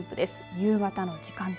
夕方の時間帯